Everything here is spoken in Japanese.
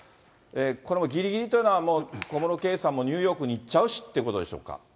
このぎりぎりというのは、小室圭さんもニューヨークに行っちゃうしってことでしょうか。